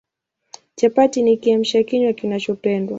Chapati ni Kiamsha kinywa kinachopendwa